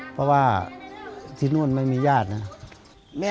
เพราะว่าที่นู่นไม่มีญาตินะ